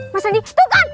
mas renty tuh kan